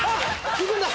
行くんだ！